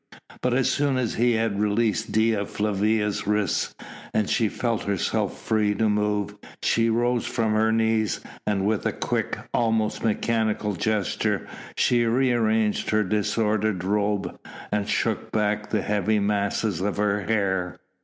But as soon as he had released Dea Flavia's wrists and she felt herself free to move, she rose from her knees, and with quick, almost mechanical gesture, she rearranged her disordered robe and shook back the heavy masses of her hair.